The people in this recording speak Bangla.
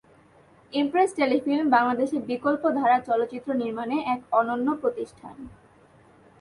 ইমপ্রেস টেলিফিল্ম বাংলাদেশে বিকল্প ধারার চলচ্চিত্র নির্মাণে এক অনন্য প্রতিষ্ঠান।